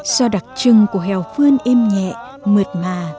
do đặc trưng của hèo phương êm nhẹ mượt mà